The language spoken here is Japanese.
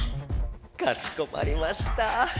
かしこまりました。